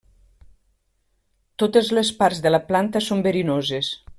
Totes les parts de la planta són verinoses.